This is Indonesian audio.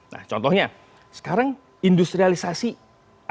nah contohnya sekarang industrialisasi